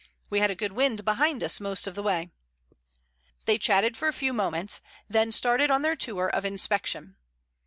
"We had a good wind behind us most of the way." They chatted for a few moments, then started on their tour of inspection.